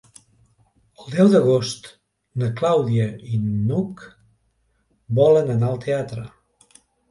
El deu d'agost na Clàudia i n'Hug volen anar al teatre.